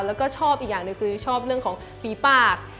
แล้วก็ชอบอีกอย่างหนึ่งคือชอบเรื่องของฝีปาก